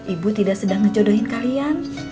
ibu tidak sedang ngejodohin kalian